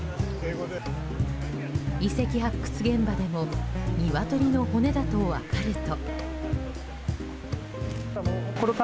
遺跡発掘現場でもニワトリの骨だと分かると。